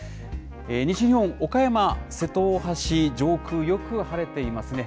西日本、岡山、瀬戸大橋、上空、よく晴れていますね。